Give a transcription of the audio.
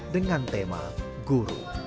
dengan tema guru